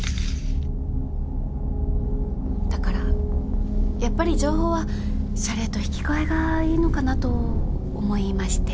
だからやっぱり情報は謝礼と引き換えがいいのかなと思いまして。